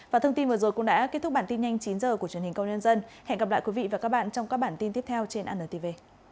và thông tin vừa rồi cũng đã kết thúc bản tin nhanh chín h của truyền hình công nhân dân hẹn gặp lại quý vị và các bạn trong các bản tin tiếp theo trên anntv